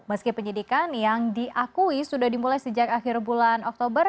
meski penyidikan yang diakui sudah dimulai sejak akhir bulan oktober